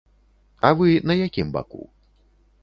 А вы на якім баку?